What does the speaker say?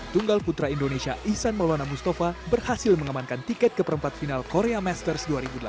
tunggal putra indonesia ihsan maulana mustafa berhasil mengamankan tiket ke perempat final korea masters dua ribu delapan belas